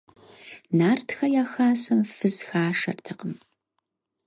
Нартхэ я хасэм фыз хашэртэкъым.